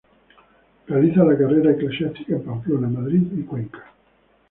Realiza su carrera eclesial en Pamplona, Madrid y Cuenca.